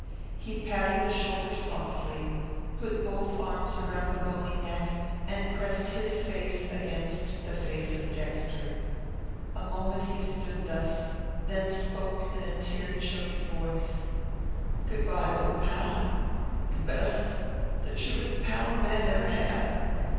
He patted the shoulder softly, put both arms around the bony neck, and pressed his face against the face of Dexter. A moment he stood thus, then spoke in a tear choked voice: "Good by, old pal the best, the truest pal a man ever had.